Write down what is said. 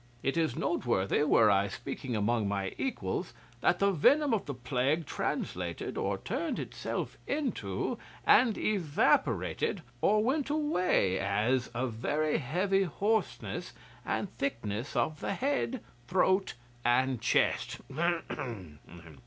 It is noteworthy, were I speaking among my equals, that the venom of the plague translated, or turned itself into, and evaporated, or went away as, a very heavy hoarseness and thickness of the head, throat, and chest.